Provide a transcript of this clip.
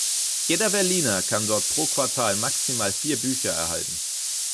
Jeder Berliner kann dort pro Quartal maximal vier Bücher erhalten.